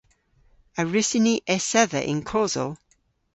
A wrussyn ni esedha yn kosel?